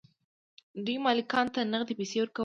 دوی مالکانو ته نغدې پیسې ورکولې.